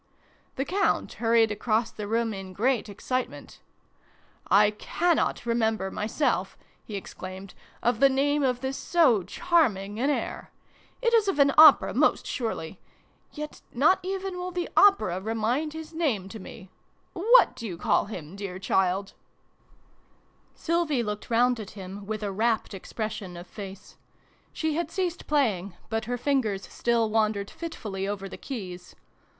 The Count hurried across the room in great excitement. " I cannot remember myself," he exclaimed, " of the name of this so charming an air ! It is of an opera, most surely. Yet not even will the opera remind his name to me ! What you call him, dear child ?" N 178 SYLVIE AND BRUNO CONCLUDED. Sylvie looked round at him with a rapt ex pression of face. She had ceased playing, but her fingers still wandered fitfully over the keys.